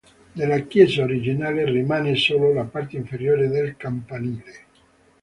Della chiesa originale rimane solo la parte inferiore del campanile.